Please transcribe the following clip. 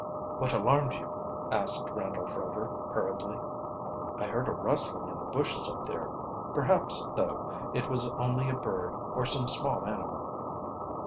"What alarmed you?" asked Randolph Rover hurriedly. "I heard a rustling in the bushes up there perhaps, though, it was only a bird or some small animal."